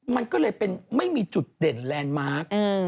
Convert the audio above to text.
มันก็เลยเป็นไม่มีจุดเด่นแลนด์มาร์ค